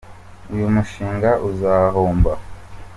Uyu mushinga uzahomba.